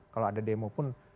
kalau ada demo pun